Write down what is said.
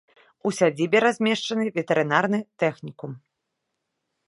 У сядзібе размешчаны ветэрынарны тэхнікум.